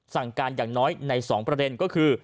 สั่งการอย่างน้อยใน๒ประเด็นก็คือ